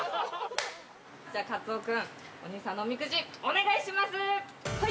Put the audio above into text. カツオ君お兄さんのおみくじお願いします！